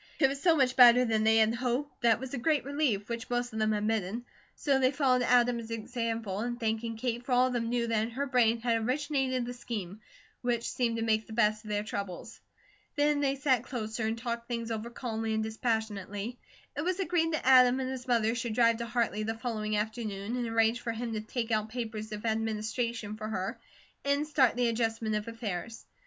It was so much better than they had hoped, that it was a great relief, which most of them admitted; so they followed Adam's example in thanking Kate, for all of them knew that in her brain had originated the scheme, which seemed to make the best of their troubles. Then they sat closer and talked things over calmly and dispassionately. It was agreed that Adam and his mother should drive to Hartley the following afternoon and arrange for him to take out papers of administration for her, and start the adjustment of affairs.